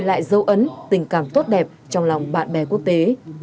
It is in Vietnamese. lại dấu ấn tình cảm tốt đẹp trong lòng bạn bè quốc tế